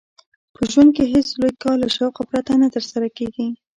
په ژوند کښي هېڅ لوى کار له شوقه پرته نه ترسره کېږي.